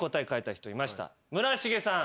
村重さん。